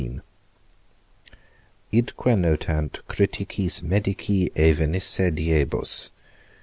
XIV. IDQUE NOTANT CRITICIS MEDICI EVENISSE DIEBUS.